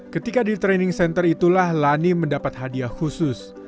ketika di training center itulah lani mendapat hadiah khusus